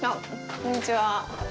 こんにちは。